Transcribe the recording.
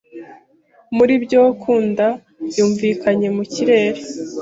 Muri byo Kund yumvikanye mu kirere